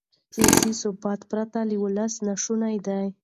سیاسي ثبات پرته له ولسه ناشونی دی.